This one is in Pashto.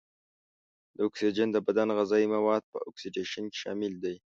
دا اکسیجن د بدن غذايي موادو په اکسیدیشن کې شامل دی.